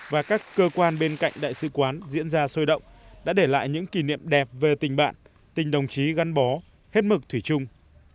và các cơ quan bên cạnh đại sứ quán diễn ra sôi động đã để lại những kỷ niệm đẹp về tình bạn tình đồng chí gắn bó hết mực thủy chung